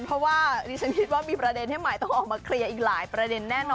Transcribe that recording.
เพราะว่าดิฉันคิดว่ามีประเด็นให้ใหม่ต้องออกมาเคลียร์อีกหลายประเด็นแน่นอน